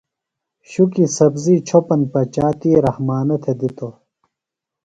شُکیۡ سبزی چھوپن پچا تی رحمانہ تھےۡ دِتوۡ۔